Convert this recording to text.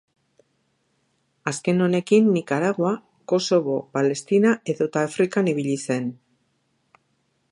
Azken honekin Nikaragua, Kosovo, Palestina edota Afrikan ibili zen.